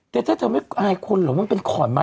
แต่ถ้าจะไม่ไห้คนหรอรึเป็นขอนไม้